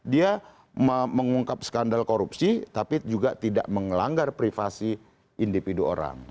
dia mengungkap skandal korupsi tapi juga tidak mengelanggar privasi individu orang